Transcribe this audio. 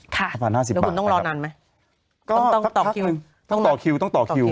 ค่ะแล้วคุณต้องรอนั้นไหมต้องต่อคิวต้องต่อคิว